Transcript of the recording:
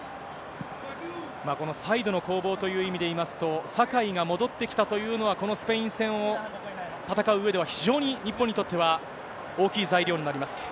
このサイドの攻防という意味で言いますと、酒井が戻ってきたというのは、このスペイン戦を戦ううえでは、非常に日本にとっては大きい材料になります。